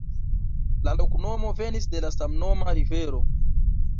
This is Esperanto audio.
La loknomo venis de la samnoma rivero.